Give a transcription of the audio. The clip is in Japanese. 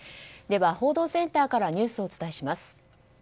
では報道センターからニュースをお伝えします。